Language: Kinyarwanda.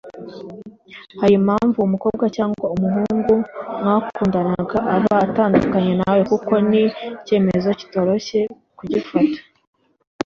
Hari impamvu uwo mukobwa cyangwa umuhungu mwakundanaga aba atandukanye nawe kuko ni icyemezo kitoroshye kugifata